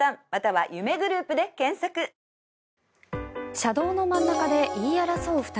車道の真ん中で言い争う２人。